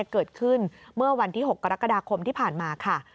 เกิดขึ้นเมื่อวันที่๖กรกฎาคมที่ผ่านมาค่ะ